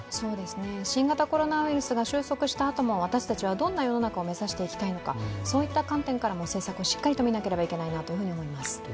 新型コロナウイルスが収束したあとも私たちはどんな世の中をめざしていきたいのかそういった観点からも政策をしっかり見なければいけないと思います。